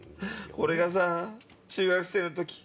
俺がさ中学生の時。